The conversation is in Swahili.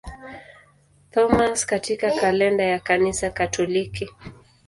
Thomas katika kalenda ya Kanisa Katoliki.